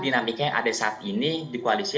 dinamika yang ada saat ini di koalisi